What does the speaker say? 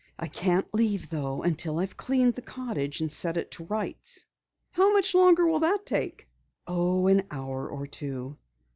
"I can't leave, though, until I've cleaned the cottage and set it to rights." "How much longer will it take?" "Oh, an hour or two."